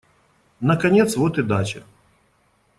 Наконец вот и дача.